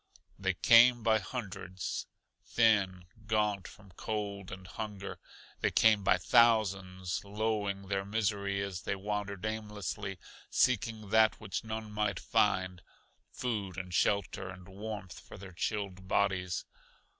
They came by hundreds thin, gaunt from cold and hunger. They came by thousands, lowing their misery as they wandered aimlessly, seeking that which none might find: food and shelter and warmth for their chilled bodies.